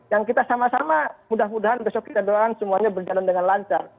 yang kita sama sama mudah mudahan besok kita doakan semuanya berjalan dengan lancar